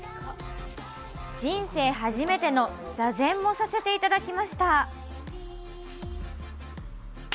人生初めての座禅もさせていただきました。